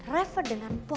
reva dengan boy